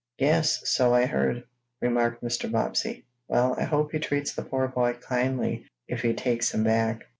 "Yes, so I heard," remarked Mr. Bobbsey. "Well, I hope he treats the poor boy kindly if he takes him back."